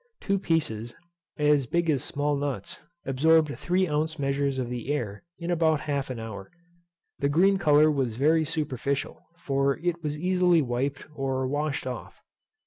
Two pieces, as big as small nuts, absorbed three ounce measures of the air in about half an hour. The green colour was very superficial; for it was easily wiped or washed off.